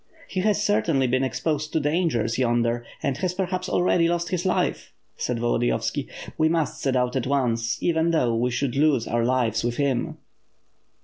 *TIe has certainly been exposed to dangers yonder and has perhaps already lost his life," said Volodiyovski. *'We must set out at once, even though we should lose our lives with him.'